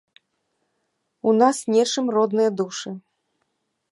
У нас нечым родныя душы.